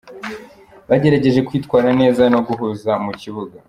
bagerageje kwitwara neza no guhuza mu kibuga.